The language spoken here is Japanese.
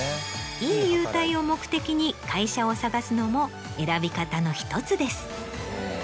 いい優待を目的に会社を探すのも選び方の１つです。